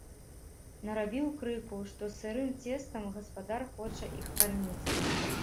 Нарабіў крыку, што сырым цестам гаспадар хоча іх карміць.